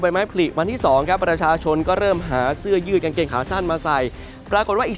ไม้ผลิวันที่๒ครับประชาชนก็เริ่มหาเสื้อยืดกางเกงขาสั้นมาใส่ปรากฏว่าอีก